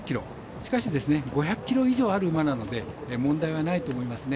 しかし５００ｋｇ以上ある馬なので問題はないと思いますね。